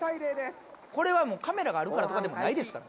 これはカメラがあるからとかでもないですから。